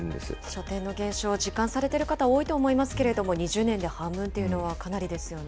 書店の減少を実感されている方多いと思いますけれども、２０年で半分っていうのは、かなりですよね。